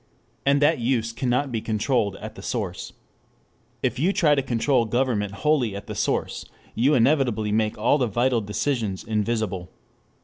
And that use cannot be controlled at the source. If you try to control government wholly at the source, you inevitably make all the vital decisions invisible.